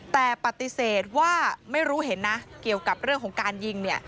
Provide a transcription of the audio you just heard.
แต่ปฏิเสธว่าไม่รู้เห็นนะเกี่ยวกับเรื่องของการยิง